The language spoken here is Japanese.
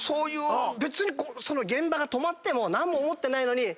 別に現場が止まっても何も思ってないのに「神田さん